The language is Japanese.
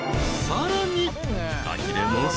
［さらに］